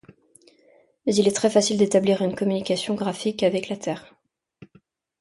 Mais il est très-facile d’établir une communication graphique avec la Terre.